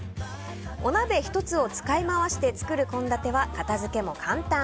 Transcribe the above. お鍋１つを使い回して作る献立は片付けも簡単。